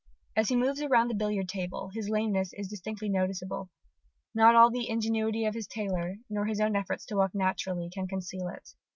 As he moves around the billiard table, his lameness is distinctly noticeable: not all the ingenuity of his tailor, nor his own efforts to walk naturally, can conceal it.